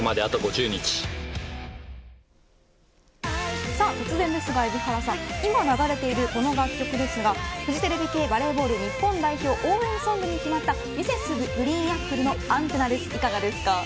はぁさあ突然ですが海老原さん今流れているこの楽曲ですがフジテレビ系バレーボール日本代表応援ソングに決まったＭｒｓ．ＧＲＥＥＮＡＰＰＬＥのＡＮＴＥＮＮＡです。